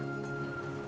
saya juga terserah